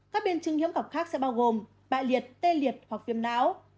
các biến chứng hiếm khỏng khác sẽ bao gồm bại liệt tê liệt hoặc viêm não